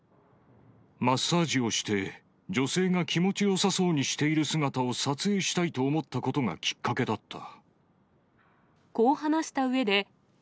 マッサージをして女性が気持ちよさそうにしている姿を撮影したいと思ったことがきっかけだっこう話したうえで。